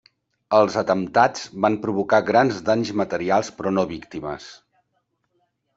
Els atemptats van provocar grans danys materials però no víctimes.